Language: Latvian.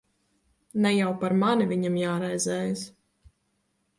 Ne jau par mani viņam jāraizējas.